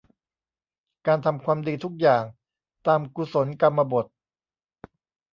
การทำความดีทุกอย่างตามกุศลกรรมบถ